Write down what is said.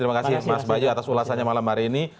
terima kasih mas bajo atas ulasannya malam hari ini